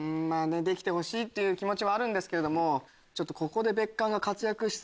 できてほしいっていう気持ちはあるんですけどもここで。